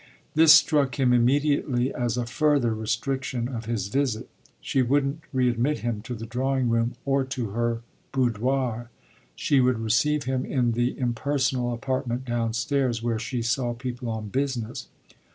This struck him immediately as a further restriction of his visit: she wouldn't readmit him to the drawing room or to her boudoir; she would receive him in the impersonal apartment downstairs where she saw people on business.